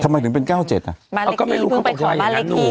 ทำไมถึงเป็นเก้าเจ็ดอ่ะบ้านเล็กที่เพิ่งไปขอบ้านเล็กที่